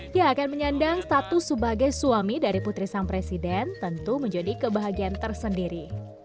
yang akan menyandang status sebagai suami dari putri sang presiden tentu menjadi kebahagiaan tersendiri